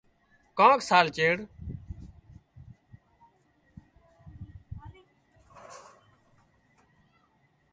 ڪانڪ سال چيڙ